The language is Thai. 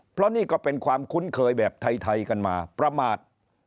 เพราะนี่ก็เป็นความคุ้นเคยแบบไทยกันมาประมาท